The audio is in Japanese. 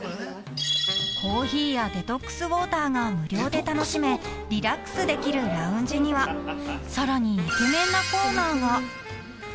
［コーヒーやデトックスウォーターが無料で楽しめリラックスできるラウンジにはさらにイケメンなコーナーが］